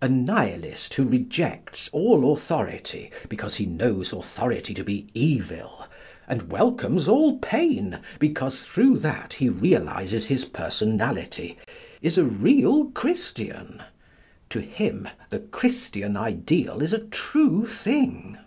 A Nihilist who rejects all authority, because he knows authority to be evil, and welcomes all pain, because through that he realises his personality, is a real Christian. To him the Christian ideal is a true thing.